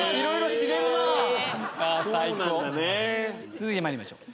続いて参りましょう。